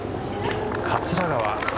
桂川。